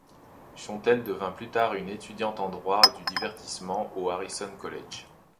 Shontelle devint plus tard une étudiante en droit du divertissement au Harrison College.